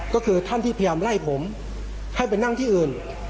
ก็คือท่านที่พยายามไล่ผมให้ไปนั่งที่อื่น